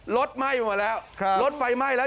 ไหม้หมดแล้วรถไฟไหม้แล้ว